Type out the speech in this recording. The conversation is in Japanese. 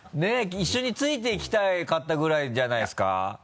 一緒について来たかったぐらいじゃないですか？